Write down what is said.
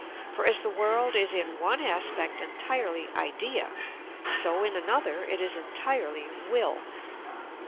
For as the world is in one aspect entirely idea, so in another it is entirely will.